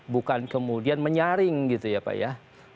bukan kemudian menyaring gitu ya pak ya